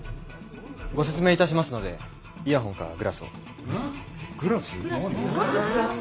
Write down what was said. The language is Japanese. ご説明いたしますのでイヤホンかグラスを。